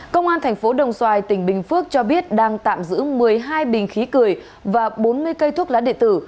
công an tp đồng xoài tỉnh bình phước cho biết đang tạm giữ một mươi hai bình khí cười và bốn mươi cây thuốc lá đệ tử